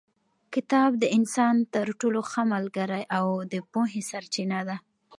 کتاب د انسان تر ټولو ښه ملګری او د پوهې سرچینه ده.